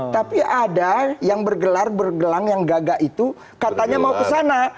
tapi ada yang bergelar bergelang yang gagak itu katanya mau ke sana